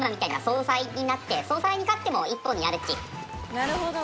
なるほど。